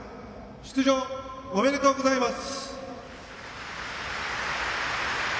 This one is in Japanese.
出場おめでとうございます。